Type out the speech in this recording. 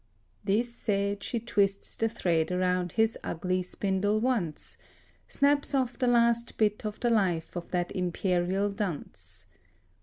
This said, she twists the thread around his ugly spindle once, 4 Snaps off the last bit of the life of that Imperial dunce.